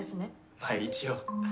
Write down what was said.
まあ一応。